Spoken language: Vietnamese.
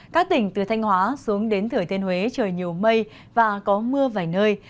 các tỉnh từ thanh hóa xuống đến thừa thiên huế trời nhiều mây và có mưa vài nơi